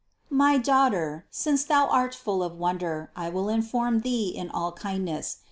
355. My daughter, since thou art full of wonder, I will inform thee in all kindness.